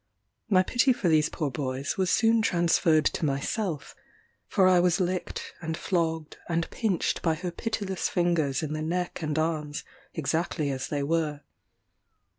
My pity for these poor boys was soon transferred to myself; for I was licked, and flogged, and pinched by her pitiless fingers in the neck and arms, exactly as they were.